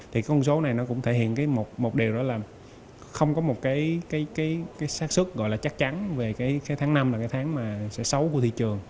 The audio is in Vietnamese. thì con số này cũng thể hiện một điều đó là không có một sát xuất chắc chắn về tháng năm là tháng xấu của thị trường